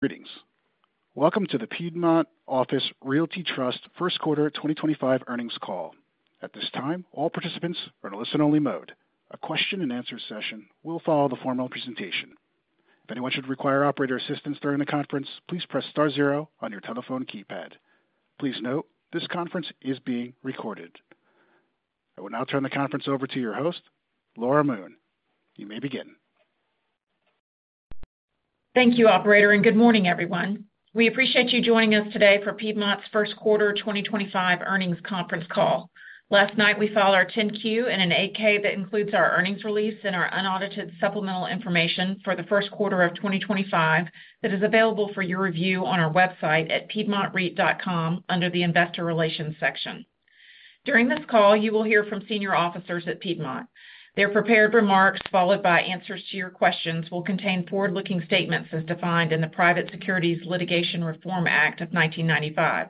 Greetings. Welcome to the Piedmont Office Realty Trust first quarter 2025 earnings call. At this time, all participants are in a listen-only mode. A question-and-answer session will follow the formal presentation. If anyone should require operator assistance during the conference, please press star zero on your telephone keypad. Please note, this conference is being recorded. I will now turn the conference over to your host, Laura Moon. You may begin. Thank you, Operator, and good morning, everyone. We appreciate you joining us today for Piedmont's first quarter 2025 earnings conference call. Last night, we filed our 10-Q and an 8-K that includes our earnings release and our unaudited supplemental information for the first quarter of 2025 that is available for your review on our website at piedmontreit.com under the Investor Relations section. During this call, you will hear from senior officers at Piedmont. Their prepared remarks, followed by answers to your questions, will contain forward-looking statements as defined in the Private Securities Litigation Reform Act of 1995.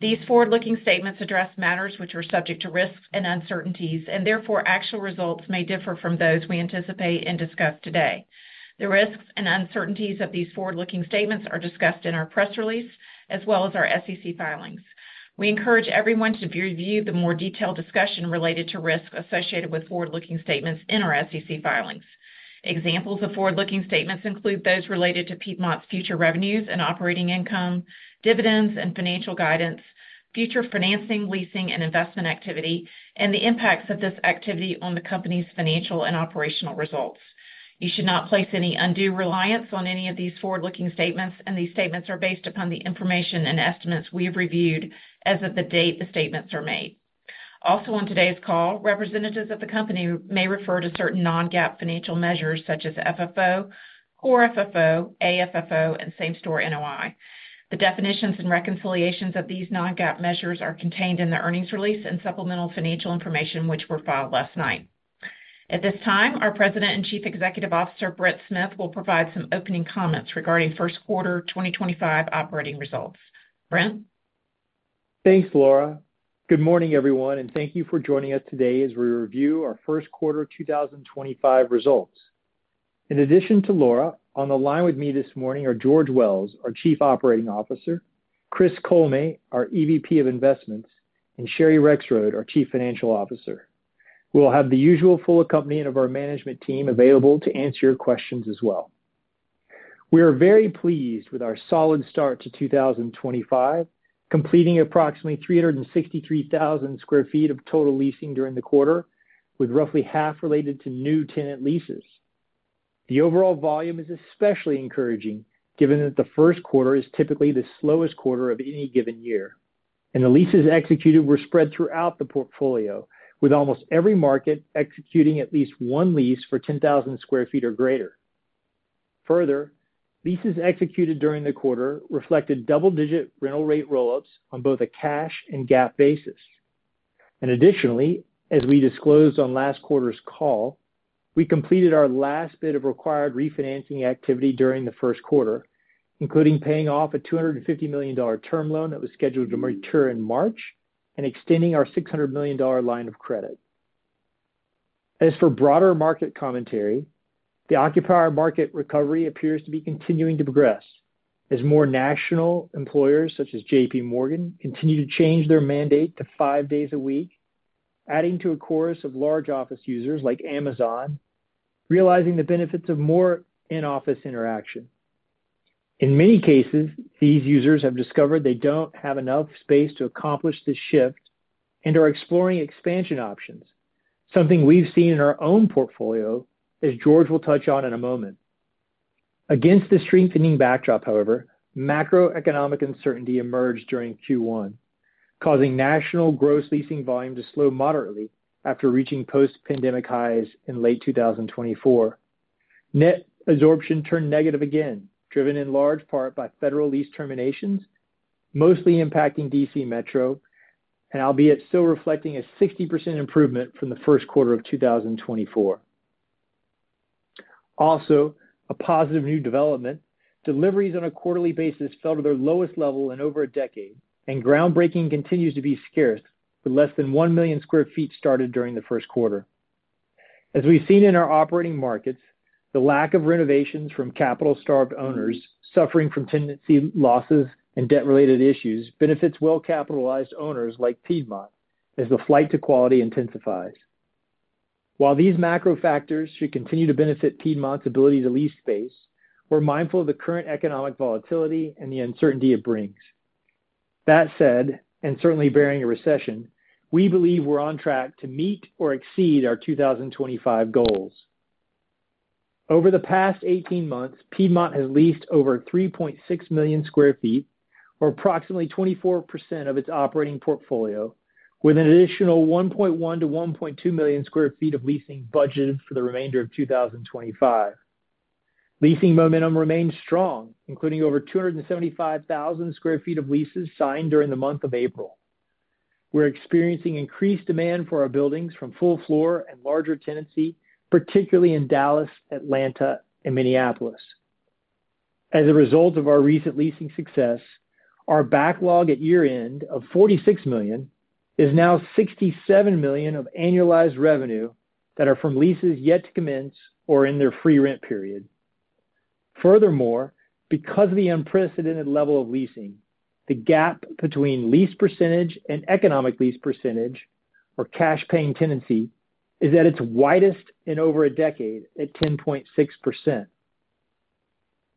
These forward-looking statements address matters which are subject to risks and uncertainties, and therefore actual results may differ from those we anticipate and discuss today. The risks and uncertainties of these forward-looking statements are discussed in our press release as well as our SEC filings. We encourage everyone to review the more detailed discussion related to risks associated with forward-looking statements in our SEC filings. Examples of forward-looking statements include those related to Piedmont's future revenues and operating income, dividends and financial guidance, future financing, leasing, and investment activity, and the impacts of this activity on the company's financial and operational results. You should not place any undue reliance on any of these forward-looking statements, and these statements are based upon the information and estimates we have reviewed as of the date the statements are made. Also, on today's call, representatives of the company may refer to certain non-GAAP financial measures such as FFO, Core FFO, AFFO, and Same Store NOI. The definitions and reconciliations of these non-GAAP measures are contained in the earnings release and supplemental financial information which were filed last night. At this time, our President and Chief Executive Officer, Brent Smith, will provide some opening comments regarding first quarter 2025 operating results. Brent? Thanks, Laura. Good morning, everyone, and thank you for joining us today as we review our first quarter 2025 results. In addition to Laura, on the line with me this morning are George Wells, our Chief Operating Officer; Chris Kollme, our EVP of Investments; and Sherry Rexroad, our Chief Financial Officer. We will have the usual full accompaniment of our management team available to answer your questions as well. We are very pleased with our solid start to 2025, completing approximately 363,000 sq ft of total leasing during the quarter, with roughly half related to new tenant leases. The overall volume is especially encouraging given that the first quarter is typically the slowest quarter of any given year, and the leases executed were spread throughout the portfolio, with almost every market executing at least one lease for 10,000 sq ft or greater. Further, leases executed during the quarter reflected double-digit rental rate roll-ups on both a cash and GAAP basis. Additionally, as we disclosed on last quarter's call, we completed our last bit of required refinancing activity during the first quarter, including paying off a $250 million term loan that was scheduled to mature in March and extending our $600 million line of credit. As for broader market commentary, the occupier market recovery appears to be continuing to progress as more national employers such as JPMorgan continue to change their mandate to five days a week, adding to a chorus of large office users like Amazon, realizing the benefits of more in-office interaction. In many cases, these users have discovered they do not have enough space to accomplish this shift and are exploring expansion options, something we have seen in our own portfolio, as George will touch on in a moment. Against the strengthening backdrop, however, macroeconomic uncertainty emerged during Q1, causing national gross leasing volume to slow moderately after reaching post-pandemic highs in late 2024. Net absorption turned negative again, driven in large part by federal lease terminations, mostly impacting DC Metro and albeit still reflecting a 60% improvement from the first quarter of 2024. Also, a positive new development: deliveries on a quarterly basis fell to their lowest level in over a decade, and groundbreaking continues to be scarce, with less than 1 million sq ft started during the first quarter. As we've seen in our operating markets, the lack of renovations from capital-starved owners suffering from tenancy losses and debt-related issues benefits well-capitalized owners like Piedmont as the flight to quality intensifies. While these macro factors should continue to benefit Piedmont's ability to lease space, we're mindful of the current economic volatility and the uncertainty it brings. That said, and certainly bearing a recession, we believe we're on track to meet or exceed our 2025 goals. Over the past 18 months, Piedmont has leased over 3.6 million sq ft, or approximately 24% of its operating portfolio, with an additional 1.1-1.2 million sq ft of leasing budgeted for the remainder of 2025. Leasing momentum remains strong, including over 275,000 sq ft of leases signed during the month of April. We're experiencing increased demand for our buildings from full floor and larger tenancy, particularly in Dallas, Atlanta, and Minneapolis. As a result of our recent leasing success, our backlog at year-end of $46 million is now $67 million of annualized revenue that are from leases yet to commence or in their free rent period. Furthermore, because of the unprecedented level of leasing, the gap between lease percentage and economic lease percentage, or cash-paying tenancy, is at its widest in over a decade at 10.6%.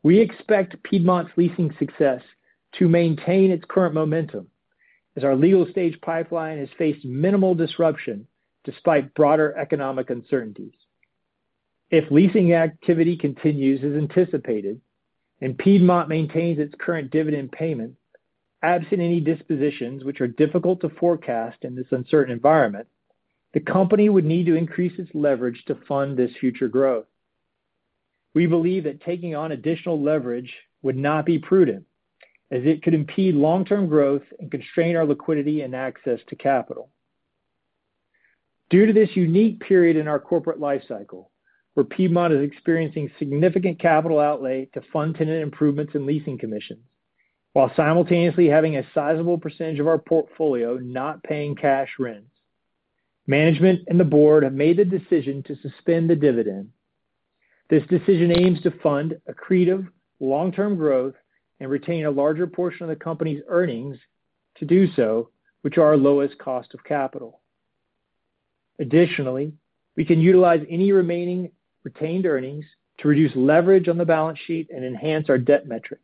We expect Piedmont's leasing success to maintain its current momentum as our legal stage pipeline has faced minimal disruption despite broader economic uncertainties. If leasing activity continues as anticipated and Piedmont maintains its current dividend payment, absent any dispositions which are difficult to forecast in this uncertain environment, the company would need to increase its leverage to fund this future growth. We believe that taking on additional leverage would not be prudent as it could impede long-term growth and constrain our liquidity and access to capital. Due to this unique period in our corporate life cycle, where Piedmont is experiencing significant capital outlay to fund tenant improvements and leasing commissions, while simultaneously having a sizable percentage of our portfolio not paying cash rents, management and the board have made the decision to suspend the dividend. This decision aims to fund accretive long-term growth and retain a larger portion of the company's earnings to do so, which are our lowest cost of capital. Additionally, we can utilize any remaining retained earnings to reduce leverage on the balance sheet and enhance our debt metrics.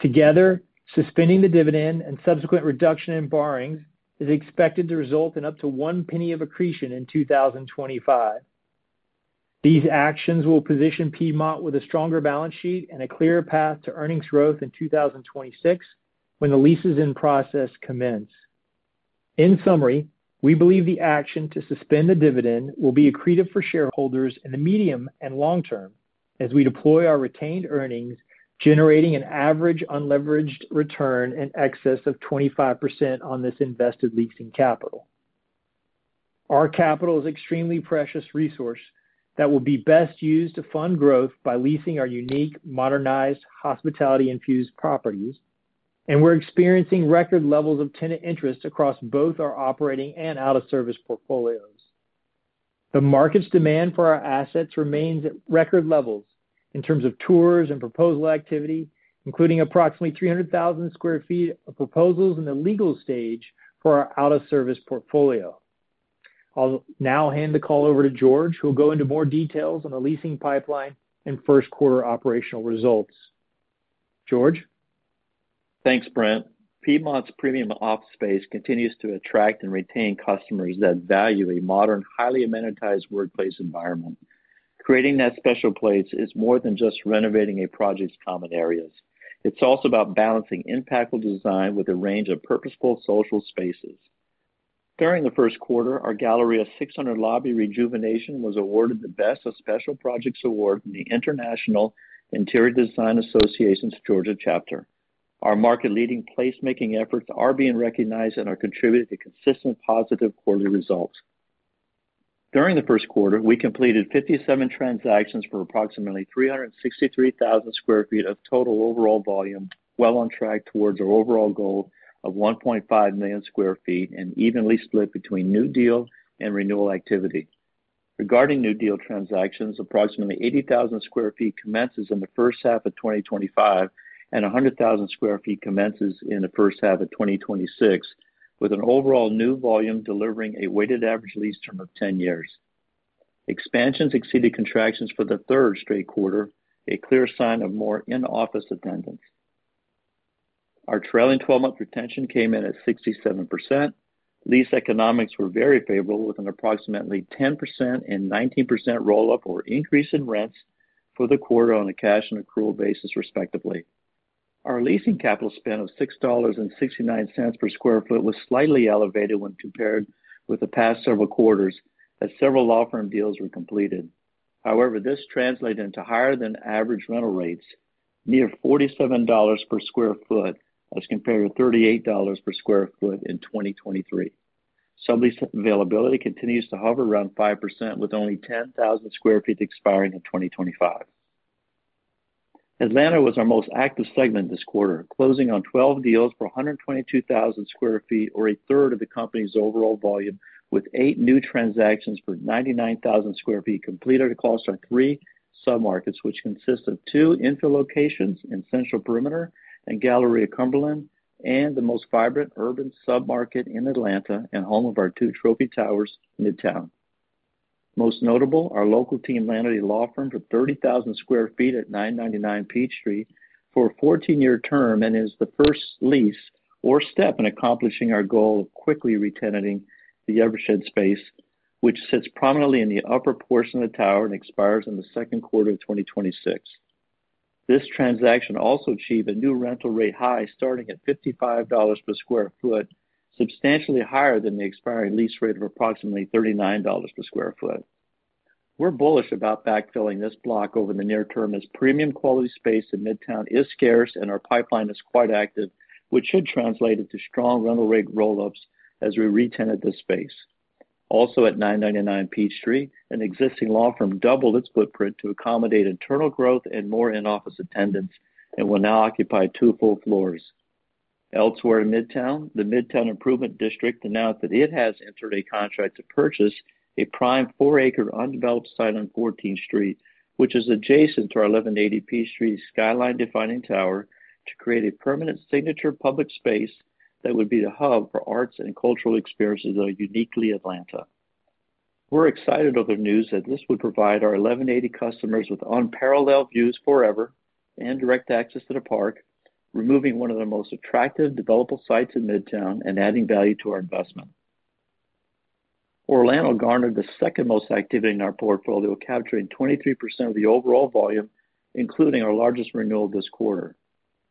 Together, suspending the dividend and subsequent reduction in borrowings is expected to result in up to one penny of accretion in 2025. These actions will position Piedmont with a stronger balance sheet and a clearer path to earnings growth in 2026 when the leases in process commence. In summary, we believe the action to suspend the dividend will be accretive for shareholders in the medium and long term as we deploy our retained earnings, generating an average unleveraged return in excess of 25% on this invested leasing capital. Our capital is an extremely precious resource that will be best used to fund growth by leasing our unique, modernized, hospitality-infused properties, and we're experiencing record levels of tenant interest across both our operating and out-of-service portfolios. The market's demand for our assets remains at record levels in terms of tours and proposal activity, including approximately 300,000 sq ft of proposals in the legal stage for our out-of-service portfolio. I'll now hand the call over to George, who will go into more details on the leasing pipeline and first quarter operational results. George? Thanks, Brent. Piedmont's premium office space continues to attract and retain customers that value a modern, highly amenitized workplace environment. Creating that special place is more than just renovating a project's common areas. It's also about balancing impactful design with a range of purposeful social spaces. During the first quarter, our Galleria 600 lobby rejuvenation was awarded the Best of Special Projects Award from the International Interior Design Association's Georgia chapter. Our market-leading placemaking efforts are being recognized and are contributing to consistent positive quarterly results. During the first quarter, we completed 57 transactions for approximately 363,000 sq ft of total overall volume, well on track towards our overall goal of 1.5 million sq ft and evenly split between new deal and renewal activity. Regarding new deal transactions, approximately 80,000 sq ft commences in the first half of 2025, and 100,000 sq ft commences in the first half of 2026, with an overall new volume delivering a weighted average lease term of 10 years. Expansions exceeded contractions for the third straight quarter, a clear sign of more in-office attendance. Our trailing 12-month retention came in at 67%. Lease economics were very favorable, with an approximately 10% and 19% roll-up or increase in rents for the quarter on a cash and accrual basis, respectively. Our leasing capital spend of $6.69 per sq ft was slightly elevated when compared with the past several quarters as several law firm deals were completed. However, this translated into higher-than-average rental rates, near $47 per sq ft as compared to $38 per sq ft in 2023. Sublease availability continues to hover around 5%, with only 10,000 sq ft expiring in 2025. Atlanta was our most active segment this quarter, closing on 12 deals for 122,000 sq ft, or a third of the company's overall volume, with eight new transactions for 99,000 sq ft completed across our three submarkets, which consist of two infill locations in Central Perimeter and Galleria Cumberland, and the most vibrant urban submarket in Atlanta and home of our two trophy towers Midtown. Most notable are local Chamberlain Hrdlicka law firm for 30,000 sq ft at 999 Peachtree for a 14-year term and is the first lease or step in accomplishing our goal of quickly re-tenanting the Eversheds Sutherland space, which sits prominently in the upper portion of the tower and expires in the second quarter of 2026. This transaction also achieved a new rental rate high starting at $55 per sq ft, substantially higher than the expiring lease rate of approximately $39 per sq ft. We're bullish about backfilling this block over the near term as premium quality space in Midtown is scarce and our pipeline is quite active, which should translate into strong rental rate roll-ups as we re-tenant this space. Also, at 999 Peachtree, an existing law firm doubled its footprint to accommodate internal growth and more in-office attendance and will now occupy two full floors. Elsewhere in Midtown, the Midtown Improvement District announced that it has entered a contract to purchase a prime four-acre undeveloped site on 14th Street, which is adjacent to our 1180 Peachtree skyline-defining tower, to create a permanent signature public space that would be the hub for arts and cultural experiences of uniquely Atlanta. We're excited over the news that this would provide our 1180 customers with unparalleled views forever and direct access to the park, removing one of the most attractive developable sites in Midtown and adding value to our investment. Orlando garnered the second most activity in our portfolio, capturing 23% of the overall volume, including our largest renewal this quarter.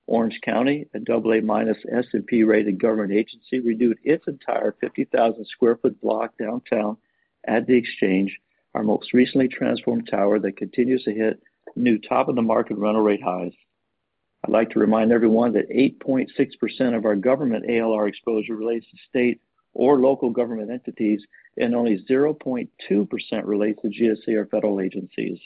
Orange County, a AA- S&P-rated government agency, renewed its entire 50,000 sq ft block downtown at The Exchange, our most recently transformed tower that continues to hit new top-of-the-market rental rate highs. I'd like to remind everyone that 8.6% of our government ALR exposure relates to state or local government entities and only 0.2% relates to GSA or federal agencies.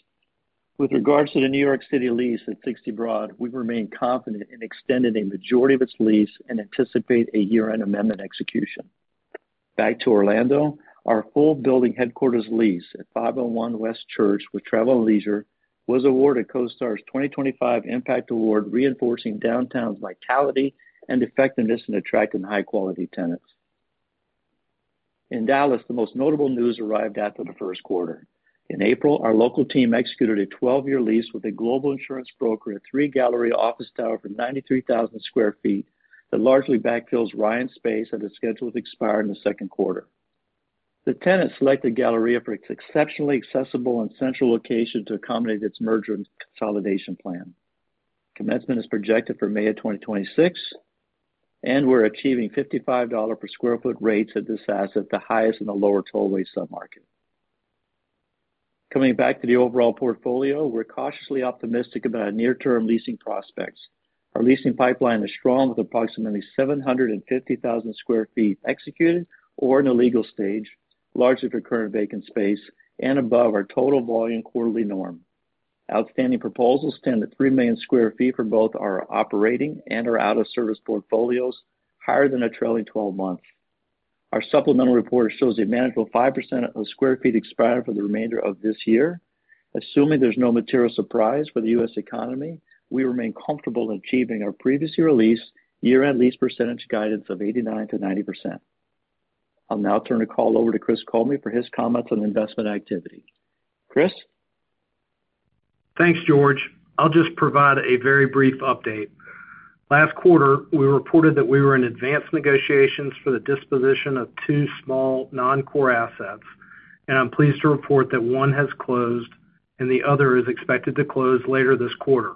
With regards to the New York City lease at 60 Broad, we remain confident in extending a majority of its lease and anticipate a year-end amendment execution. Back to Orlando, our full building headquarters lease at 501 West Church with Travel + Leisure Co. was awarded CoStar's 2025 Impact Award, reinforcing downtown's vitality and effectiveness in attracting high-quality tenants. In Dallas, the most notable news arrived after the first quarter. In April, our local team executed a 12-year lease with a global insurance broker at three Galleria office towers for 93,000 sq ft that largely backfills Ryan's space at its scheduled expire in the second quarter. The tenant selected Galleria for its exceptionally accessible and central location to accommodate its merger and consolidation plan. Commencement is projected for May of 2026, and we're achieving $55 per sq ft rates at this asset, the highest in the Lower Tollway submarket. Coming back to the overall portfolio, we're cautiously optimistic about our near-term leasing prospects. Our leasing pipeline is strong with approximately 750,000 sq ft executed or in the legal stage, largely for current vacant space and above our total volume quarterly norm. Outstanding proposals stand at 3 million sq ft for both our operating and our out-of-service portfolios, higher than a trailing 12 months. Our supplemental report shows a manageable 5% of sq ft expiring for the remainder of this year. Assuming there's no material surprise for the U.S. economy, we remain comfortable in achieving our previously released year-end lease percentage guidance of 89-90%. I'll now turn the call over to Chris Kollme for his comments on investment activity. Chris? Thanks, George. I'll just provide a very brief update. Last quarter, we reported that we were in advanced negotiations for the disposition of two small non-core assets, and I'm pleased to report that one has closed and the other is expected to close later this quarter.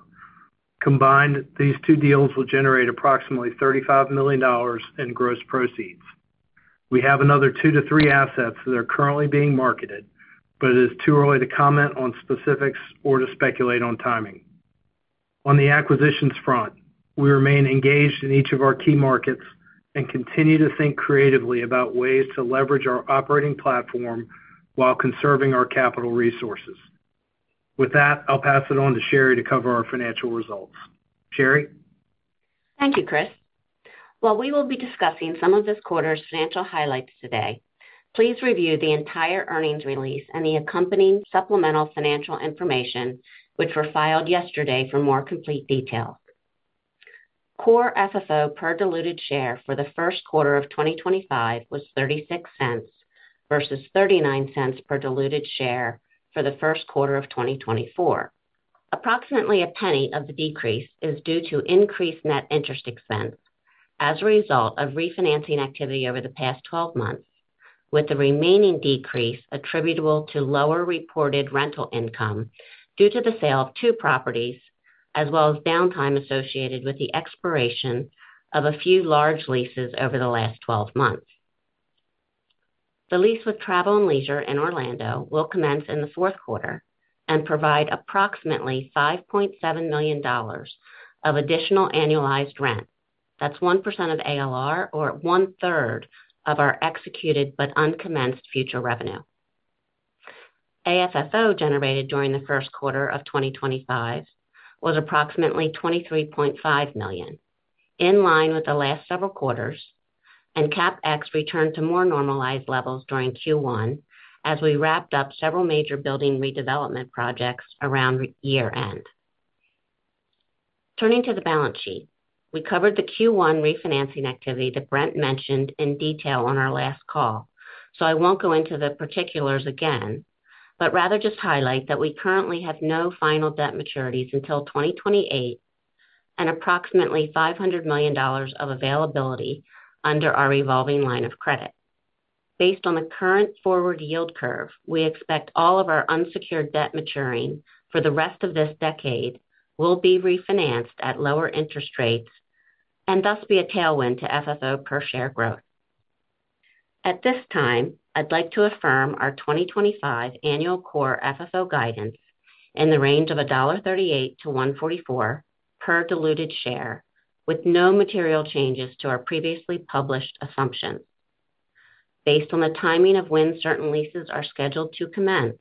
Combined, these two deals will generate approximately $35 million in gross proceeds. We have another two to three assets that are currently being marketed, but it is too early to comment on specifics or to speculate on timing. On the acquisitions front, we remain engaged in each of our key markets and continue to think creatively about ways to leverage our operating platform while conserving our capital resources. With that, I'll pass it on to Sherry to cover our financial results. Sherry? Thank you, Chris. While we will be discussing some of this quarter's financial highlights today, please review the entire earnings release and the accompanying supplemental financial information, which were filed yesterday for more complete detail. Core FFO per diluted share for the first quarter of 2025 was $0.36 versus $0.39 per diluted share for the first quarter of 2024. Approximately a penny of the decrease is due to increased net interest expense as a result of refinancing activity over the past 12 months, with the remaining decrease attributable to lower reported rental income due to the sale of two properties, as well as downtime associated with the expiration of a few large leases over the last 12 months. The lease with Travel + Leisure Co. in Orlando will commence in the fourth quarter and provide approximately $5.7 million of additional annualized rent. That's 1% of ALR or one-third of our executed but uncommenced future revenue. AFFO generated during the first quarter of 2025 was approximately $23.5 million, in line with the last several quarters, and CapEx returned to more normalized levels during Q1 as we wrapped up several major building redevelopment projects around year-end. Turning to the balance sheet, we covered the Q1 refinancing activity that Brent mentioned in detail on our last call, so I won't go into the particulars again, but rather just highlight that we currently have no final debt maturities until 2028 and approximately $500 million of availability under our revolving line of credit. Based on the current forward yield curve, we expect all of our unsecured debt maturing for the rest of this decade will be refinanced at lower interest rates and thus be a tailwind to FFO per share growth. At this time, I'd like to affirm our 2025 annual core FFO guidance in the range of $1.38-$1.44 per diluted share, with no material changes to our previously published assumptions. Based on the timing of when certain leases are scheduled to commence,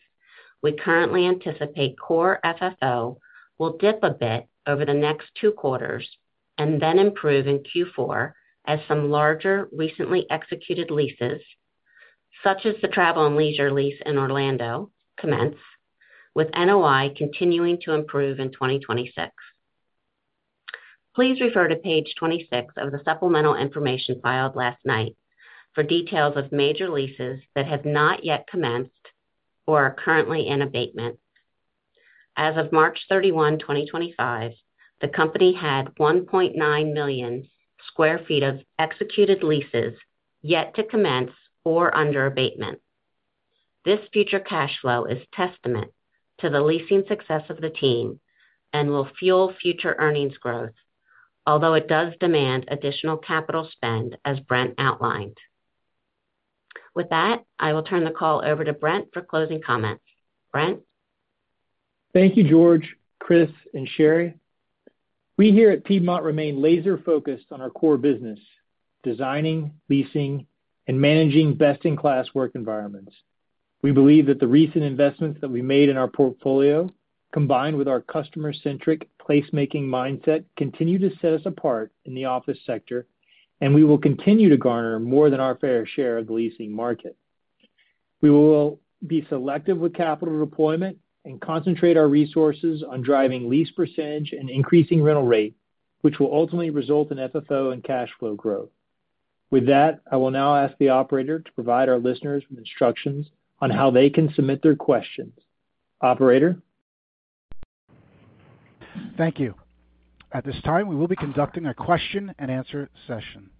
we currently anticipate core FFO will dip a bit over the next two quarters and then improve in Q4 as some larger recently executed leases, such as the Travel + Leisure Co. lease in Orlando, commence, with NOI continuing to improve in 2026. Please refer to page 26 of the supplemental information filed last night for details of major leases that have not yet commenced or are currently in abatement. As of March 31, 2025, the company had 1.9 million sq ft of executed leases yet to commence or under abatement. This future cash flow is testament to the leasing success of the team and will fuel future earnings growth, although it does demand additional capital spend, as Brent outlined. With that, I will turn the call over to Brent for closing comments. Brent? Thank you, George, Chris, and Sherry. We here at Piedmont remain laser-focused on our core business: designing, leasing, and managing best-in-class work environments. We believe that the recent investments that we made in our portfolio, combined with our customer-centric placemaking mindset, continue to set us apart in the office sector, and we will continue to garner more than our fair share of the leasing market. We will be selective with capital deployment and concentrate our resources on driving lease percentage and increasing rental rate, which will ultimately result in FFO and cash flow growth. With that, I will now ask the operator to provide our listeners with instructions on how they can submit their questions. Operator? Thank you. At this time, we will be conducting a question-and-answer session.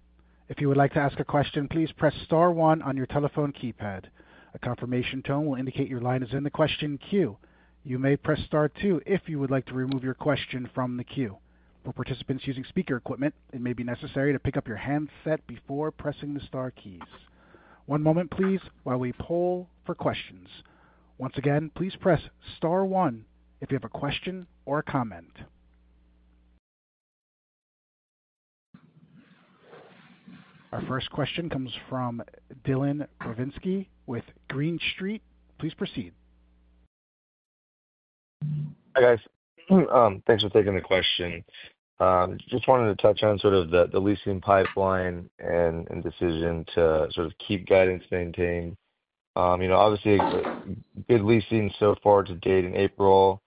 If you would like to ask a question, please press star one on your telephone keypad. A confirmation tone will indicate your line is in the question queue. You may press star two if you would like to remove your question from the queue. For participants using speaker equipment, it may be necessary to pick up your handset before pressing the star keys. One moment, please, while we poll for questions. Once again, please press star one if you have a question or a comment. Our first question comes from Dylan Burzinski with Green Street. Please proceed. Hi guys. Thanks for taking the question. Just wanted to touch on sort of the leasing pipeline and decision to sort of keep guidance maintained. Obviously, good leasing so far to date in April,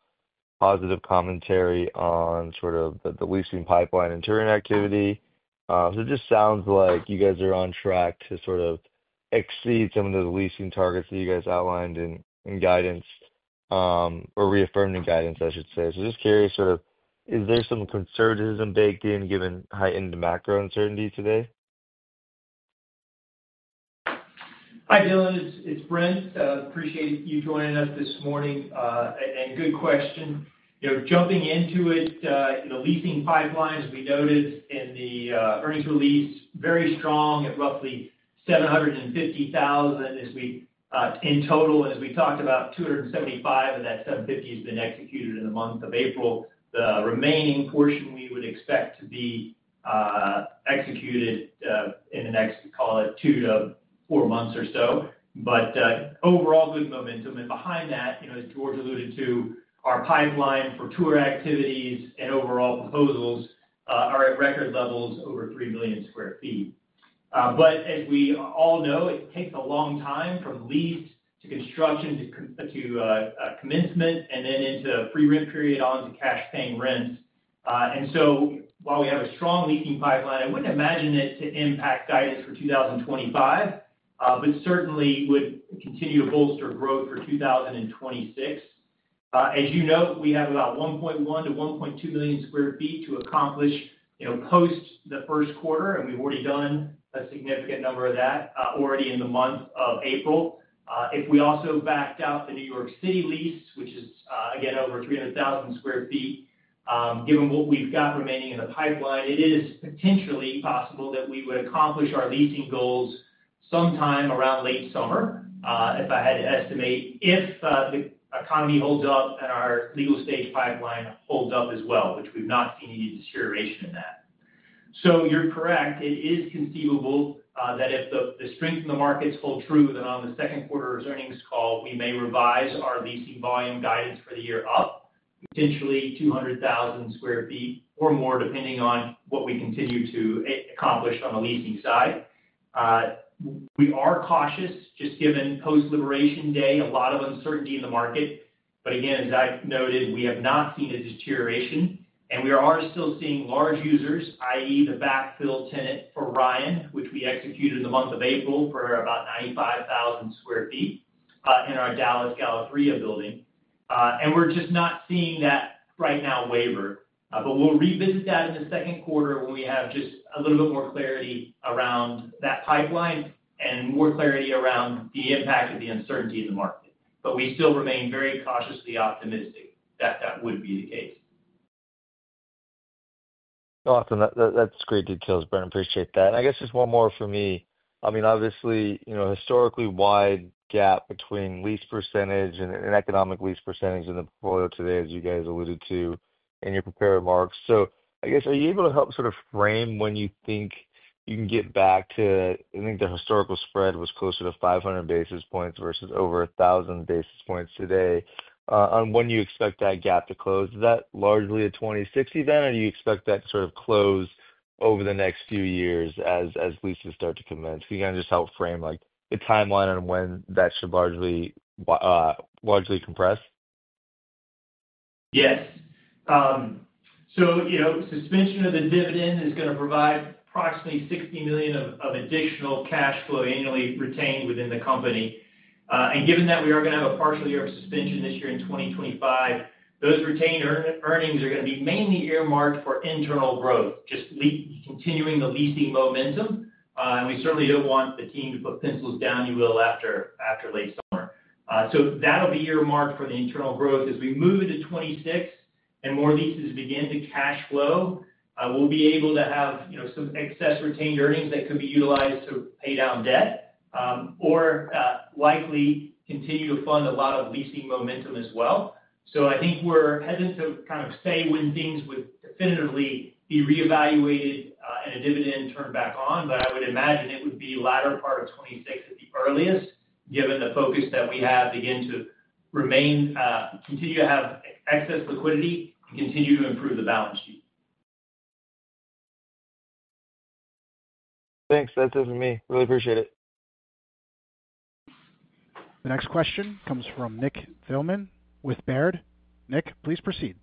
positive commentary on sort of the leasing pipeline and turn activity. It just sounds like you guys are on track to sort of exceed some of those leasing targets that you guys outlined in guidance or reaffirming guidance, I should say. Just curious, is there some conservatism baked in given heightened macro uncertainty today? Hi, Dylan. It's Brent. Appreciate you joining us this morning. Good question. Jumping into it, the leasing pipelines we noted in the earnings release, very strong at roughly 750,000 in total. As we talked about, 275,000 of that 750,000 has been executed in the month of April. The remaining portion we would expect to be executed in the next, call it, two to four months or so. Overall, good momentum. Behind that, as George alluded to, our pipeline for tour activities and overall proposals are at record levels over 3 million sq ft. As we all know, it takes a long time from lease to construction to commencement and then into pre-rent period on to cash-paying rents. While we have a strong leasing pipeline, I would not imagine it to impact guidance for 2025, but certainly would continue to bolster growth for 2026. As you know, we have about 1.1-1.2 million sq ft to accomplish post the first quarter, and we've already done a significant number of that already in the month of April. If we also backed out the New York City lease, which is, again, over 300,000 sq ft, given what we've got remaining in the pipeline, it is potentially possible that we would accomplish our leasing goals sometime around late summer, if I had to estimate, if the economy holds up and our legal stage pipeline holds up as well, which we've not seen any deterioration in that. You're correct. It is conceivable that if the strength in the markets holds true, then on the second quarter's earnings call, we may revise our leasing volume guidance for the year up, potentially 200,000 sq ft or more, depending on what we continue to accomplish on the leasing side. We are cautious, just given post-liberation day, a lot of uncertainty in the market. As I've noted, we have not seen a deterioration, and we are still seeing large users, i.e., the backfill tenant for Ryan, which we executed in the month of April for about 95,000 sq ft in our Dallas Galleria building. We are just not seeing that right now waver. We will revisit that in the second quarter when we have just a little bit more clarity around that pipeline and more clarity around the impact of the uncertainty in the market. We still remain very cautiously optimistic that that would be the case. Awesome. That's great details, Brent. Appreciate that. I guess just one more for me. I mean, obviously, historically wide gap between lease percentage and economic lease percentage in the portfolio today, as you guys alluded to in your prepared remarks. I guess, are you able to help sort of frame when you think you can get back to, I think the historical spread was closer to 500 basis points versus over 1,000 basis points today, on when you expect that gap to close? Is that largely a 2026, then? Do you expect that to sort of close over the next few years as leases start to commence? Can you kind of just help frame the timeline on when that should largely compress? Yes. Suspension of the dividend is going to provide approximately $60 million of additional cash flow annually retained within the company. Given that we are going to have a partial year of suspension this year in 2025, those retained earnings are going to be mainly earmarked for internal growth, just continuing the leasing momentum. We certainly do not want the team to put pencils down, if you will, after late summer. That will be earmarked for the internal growth. As we move into 2026 and more leases begin to cash flow, we will be able to have some excess retained earnings that could be utilized to pay down debt or likely continue to fund a lot of leasing momentum as well. I think we're hesitant to kind of say when things would definitively be reevaluated and a dividend turned back on, but I would imagine it would be latter part of 2026 at the earliest, given the focus that we have to continue to have excess liquidity and continue to improve the balance sheet. Thanks. That's it from me. Really appreciate it. The next question comes from Nick Thillman with Baird. Nick, please proceed.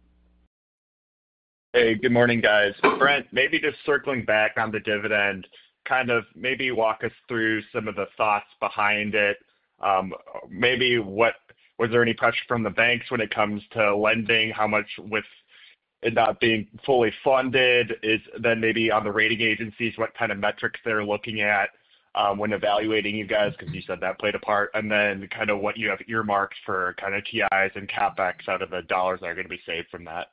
Hey, good morning, guys. Brent, maybe just circling back on the dividend, kind of maybe walk us through some of the thoughts behind it. Maybe was there any pressure from the banks when it comes to lending, how much with it not being fully funded? Then maybe on the rating agencies, what kind of metrics they're looking at when evaluating you guys, because you said that played a part, and then kind of what you have earmarked for kind of TIs and CapEx out of the dollars that are going to be saved from that.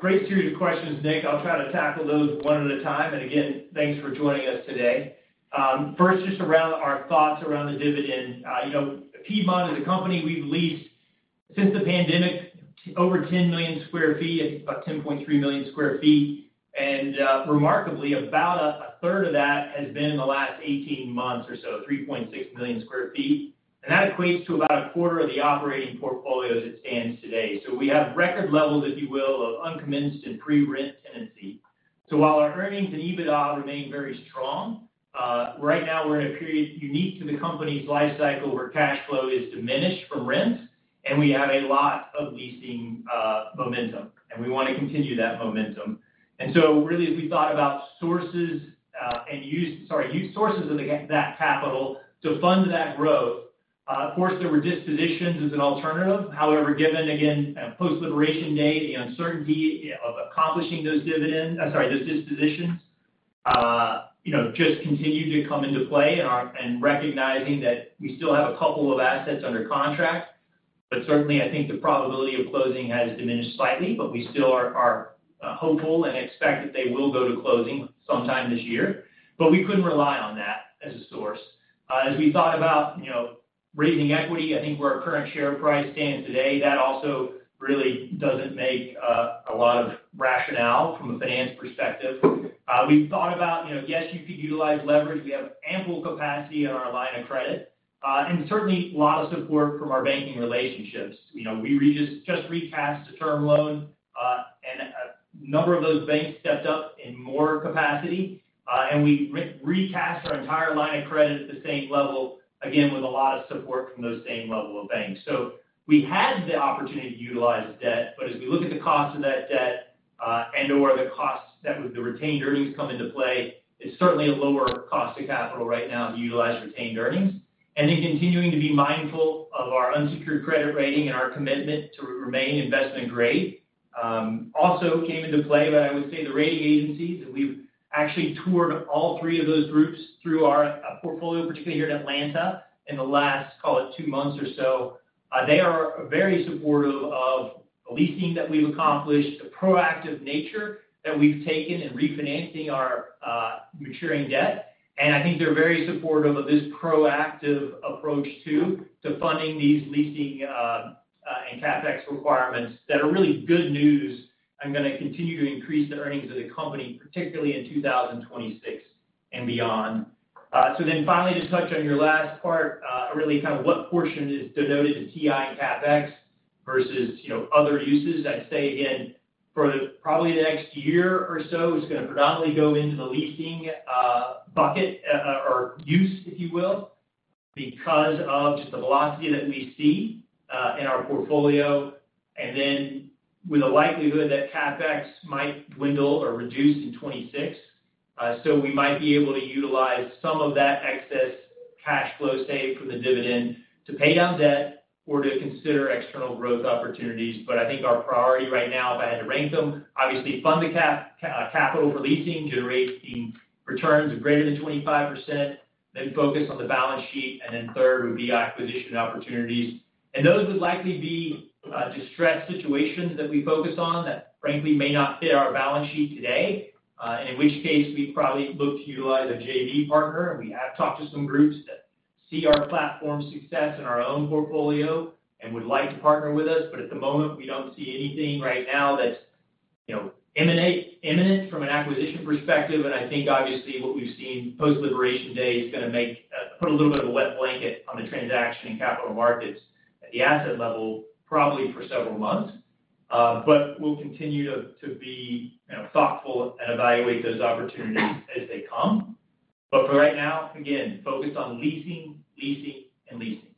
Great series of questions, Nick. I'll try to tackle those one at a time. Again, thanks for joining us today. First, just around our thoughts around the dividend. Piedmont is a company we've leased since the pandemic over 10 million sq ft, about 10.3 million sq ft. Remarkably, about a third of that has been in the last 18 months or so, 3.6 million sq ft. That equates to about a quarter of the operating portfolio as it stands today. We have record levels, if you will, of uncommenced and pre-rent tenancy. While our earnings and EBITDA remain very strong, right now we're in a period unique to the company's life cycle where cash flow is diminished from rents, and we have a lot of leasing momentum, and we want to continue that momentum. Really, as we thought about sources and uses of that capital to fund that growth, of course, there were dispositions as an alternative. However, again, post-liberation day, the uncertainty of accomplishing those dispositions just continues to come into play and recognizing that we still have a couple of assets under contract. Certainly, I think the probability of closing has diminished slightly, but we still are hopeful and expect that they will go to closing sometime this year. We could not rely on that as a source. As we thought about raising equity, I think where our current share price stands today, that also really does not make a lot of rationale from a finance perspective. We have thought about, yes, you could utilize leverage. We have ample capacity on our line of credit and certainly a lot of support from our banking relationships. We just recast a term loan, and a number of those banks stepped up in more capacity. We recast our entire line of credit at the same level, again, with a lot of support from those same level of banks. We had the opportunity to utilize debt, but as we look at the cost of that debt and/or the cost that with the retained earnings come into play, it's certainly a lower cost of capital right now to utilize retained earnings. Continuing to be mindful of our unsecured credit rating and our commitment to remain investment-grade also came into play. I would say the rating agencies, and we've actually toured all three of those groups through our portfolio, particularly here in Atlanta in the last, call it, two months or so. They are very supportive of the leasing that we've accomplished, the proactive nature that we've taken in refinancing our maturing debt. I think they're very supportive of this proactive approach too to funding these leasing and CapEx requirements that are really good news. I'm going to continue to increase the earnings of the company, particularly in 2026 and beyond. Finally, to touch on your last part, really kind of what portion is denoted as TI and CapEx versus other uses. I'd say, again, for probably the next year or so, it's going to predominantly go into the leasing bucket or use, if you will, because of just the velocity that we see in our portfolio, and then with a likelihood that CapEx might dwindle or reduce in 2026. We might be able to utilize some of that excess cash flow saved from the dividend to pay down debt or to consider external growth opportunities. I think our priority right now, if I had to rank them, obviously fund the capital for leasing, generate returns of greater than 25%, then focus on the balance sheet, and then third would be acquisition opportunities. Those would likely be distressed situations that we focus on that, frankly, may not fit our balance sheet today. In which case, we probably look to utilize a JV partner. We have talked to some groups that see our platform success in our own portfolio and would like to partner with us. At the moment, we do not see anything right now that is imminent from an acquisition perspective. Obviously, what we've seen post-liberation day is going to put a little bit of a wet blanket on the transaction and capital markets at the asset level probably for several months. We will continue to be thoughtful and evaluate those opportunities as they come. For right now, again, focused on leasing, leasing, and leasing.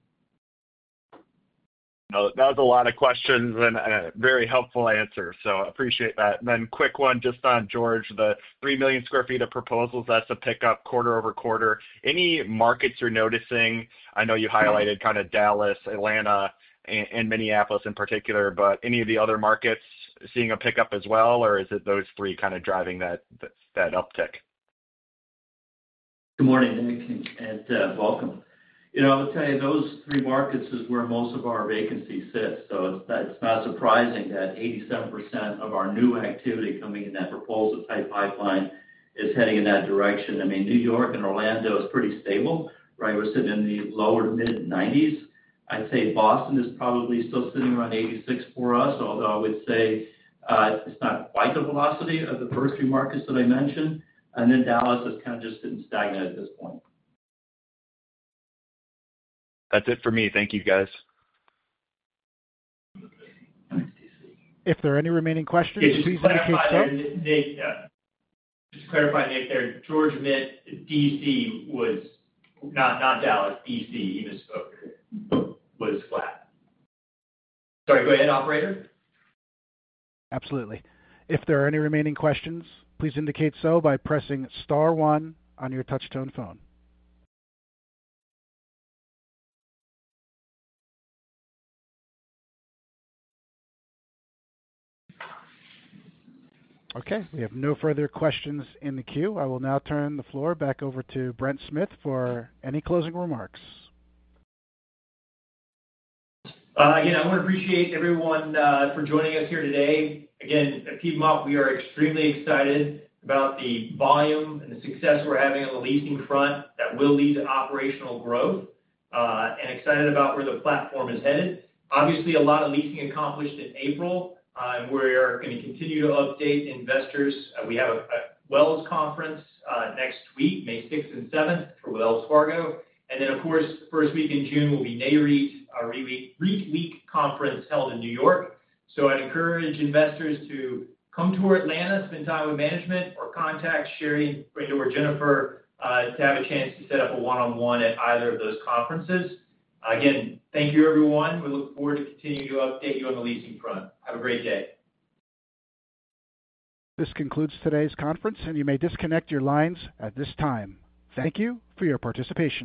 That was a lot of questions and a very helpful answer. I appreciate that. Quick one just on George, the 3 million sq ft of proposals has to pick up quarter-over-quarter. Any markets you're noticing? I know you highlighted kind of Dallas, Atlanta, and Minneapolis in particular, but any of the other markets seeing a pickup as well, or is it those three kind of driving that uptick? Good morning, Nick, and welcome. I would tell you those three markets is where most of our vacancy sits. So it's not surprising that 87% of our new activity coming in that proposal type pipeline is heading in that direction. I mean, New York and Orlando is pretty stable, right? We're sitting in the lower to mid-90s. I'd say Boston is probably still sitting around 86 for us, although I would say it's not quite the velocity of the first few markets that I mentioned. And then Dallas has kind of just been stagnant at this point. That's it for me. Thank you, guys. If there are any remaining questions, please indicate so. Just to clarify, Nick, there, George meant DC was not Dallas. DC, he misspoke, was flat. Sorry, go ahead, operator. Absolutely. If there are any remaining questions, please indicate so by pressing star one on your touchstone phone. Okay. We have no further questions in the queue. I will now turn the floor back over to Brent Smith for any closing remarks. Again, I want to appreciate everyone for joining us here today. Again, at Piedmont, we are extremely excited about the volume and the success we're having on the leasing front that will lead to operational growth and excited about where the platform is headed. Obviously, a lot of leasing accomplished in April, and we're going to continue to update investors. We have a Wells conference next week, May 6th and 7th for Wells Fargo. Of course, first week in June will be NAREIT's REITweek conference held in New York City. I would encourage investors to come to Atlanta, spend time with management, or contact Sherry or Jennifer to have a chance to set up a one-on-one at either of those conferences. Again, thank you, everyone. We look forward to continuing to update you on the leasing front. Have a great day. This concludes today's conference, and you may disconnect your lines at this time. Thank you for your participation.